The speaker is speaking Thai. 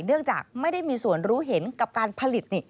เนื่องจากไม่ได้มีส่วนรู้เห็นกับการผลิต